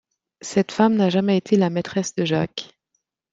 Cette femme n'a jamais été la maîtresse de Jacques.